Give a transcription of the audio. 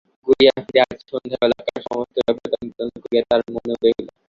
ঘুরিয়া ফিরিয়া আজ সন্ধ্যাবেলাকার সমস্ত ব্যাপারে তন্ন তন্ন করিয়া তাহার মনে উদয় হইল।